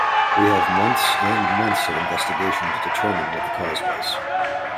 We have months and months of investigation to determine what the cause was.